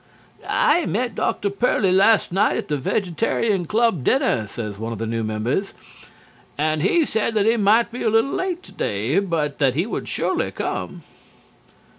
"I met Dr. Pearly last night at the Vegetarian Club dinner," says one of the members, "and he said that he might be a little late today but that he would surely come."